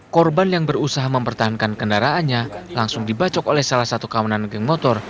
korban yang berusaha mempertahankan kendaraannya langsung dibacok oleh salah satu kawanan geng motor